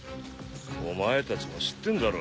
お前たちも知ってんだろ？